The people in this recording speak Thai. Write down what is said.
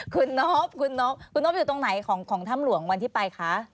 คุณนบคุณนบคุณนบอยู่ตรงไหนของถ้ำหลวงวันที่ไปคะ